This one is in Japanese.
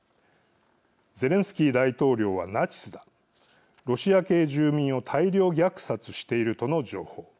ゼレンスキー大統領はナチスだロシア系住民を大量虐殺しているとの情報。